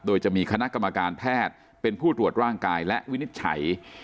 โดยจะมีคณะกรรมการแพทย์เป็นผู้ตรวจร่างกายและวินิจฉัย